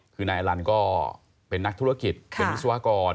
คือนายอลันก็เป็นนักธุรกิจเป็นวิศวกร